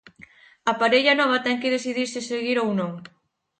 A parella nova ten que decidir se seguir ou non.